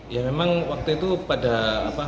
ya memang waktu itu pada apa